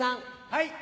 はい。